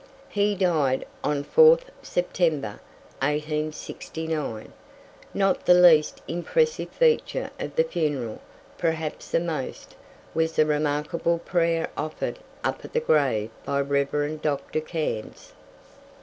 He died on 4th September, 1869. Not the least impressive feature of the funeral, perhaps the most, was the remarkable prayer offered up at the grave by the Reverend Dr. Cairns.